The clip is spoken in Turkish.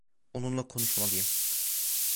Onunla konuşmalıyım.